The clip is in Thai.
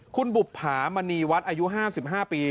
คุณบุภามณีวัดอายุ๕๕ปี